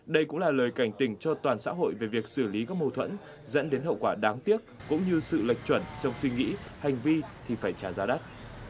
đây cũng là lời cảnh tình cho toàn xã hội về việc xử lý các mâu thuẫn dẫn đến hậu quả đáng tiếc cũng như sự lệch chuẩn trong suy nghĩ hành vi thì phải trả giá đắt